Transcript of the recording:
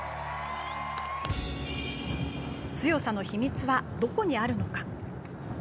強さの秘密はどこにあるのか？